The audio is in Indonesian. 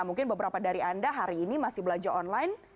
mungkin beberapa dari anda hari ini masih belanja online